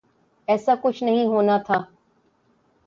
ایسا کچھ نہیں ہونا تھا۔